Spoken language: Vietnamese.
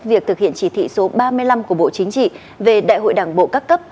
việc thực hiện chỉ thị số ba mươi năm của bộ chính trị về đại hội đảng bộ các cấp